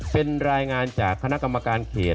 เป็นรายงานจากคณะกรรมการเขต